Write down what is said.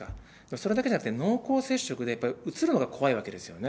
それだけじゃなくて、濃厚接触でやっぱりうつるのが怖いわけですよね。